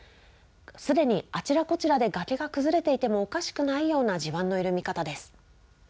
すでにあちらこちらで崖が崩れていてもおかしくないような地盤の緩み方です。